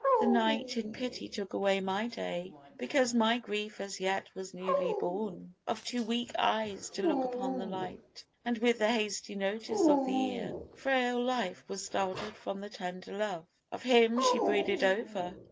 The night in pity took away my day Because my grief as yet was newly born, Of too weak eyes to look upon the light, And with the hasty notice of the ear, Frail life was startled from the tender love Of him she brooded over.